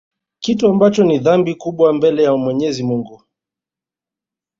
kitu ambacho ni dhambi kubwa mbele ya Mwenyezi Mungu